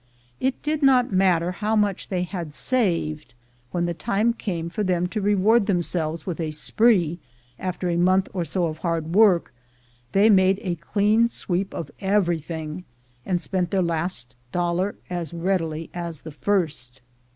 It did not matter how much they had saved; when the time came for them to reward them selves with a spree after a month or so of hard work, they made a clean sweep of everything, and spent their last dollar as readily as the first.